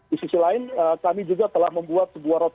di sisi lain kami juga telah membuat sebuah roti